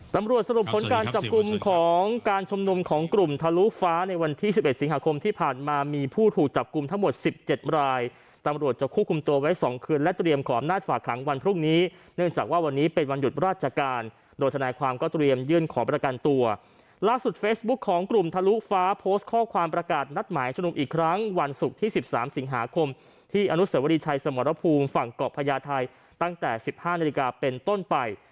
ในสินหาคมที่อนุสวรีไทยสมรภูมิฝั่งเกาะพญาไทยตั้งแต่๑๕นาฬิกาเป็นต้นไป